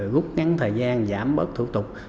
gút ngắn thời gian giảm bớt thủ tục